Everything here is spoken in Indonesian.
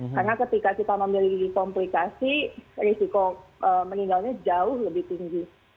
karena ketika kita memiliki komplikasi risiko meninggalnya jauh lebih tinggi